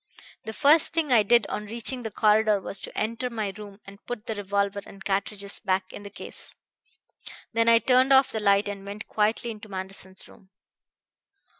"The first thing I did on reaching the corridor was to enter my room and put the revolver and cartridges back in the case. Then I turned off the light and went quietly into Manderson's room.